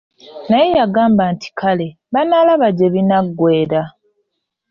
Naye yagamba nti kale, banaalaba gyebinagwera!